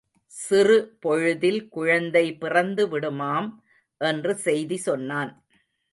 சிறுபொழுதில் குழந்தை பிறந்து விடுமாம்!... என்று செய்தி சொன்னான்.